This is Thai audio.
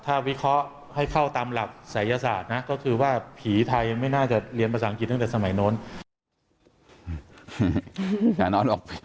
ถ้าวิเคราะห์ให้เข้าตามหลักศัยศาสตร์นะก็คือว่าผีไทยไม่น่าจะเรียนภาษาอังกฤษตั้งแต่สมัยโน้น